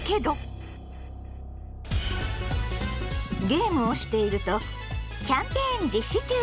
ゲームをしていると「キャンペーン実施中！！